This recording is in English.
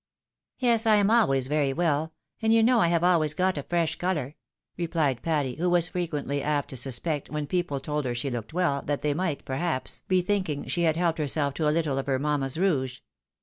" Yes,^ I am always very well, and you know I have always got a fresfi colour," replied Patty, who was frequently apt to suspect, when people told her she looked well, that they might, perhaps, be thinking she had helped herself to a little of her mamma's rouge.